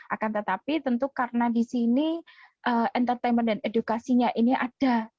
akan tetapi tentu karena di sini entertainment dan edukasinya ini ada